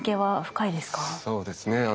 そうですね。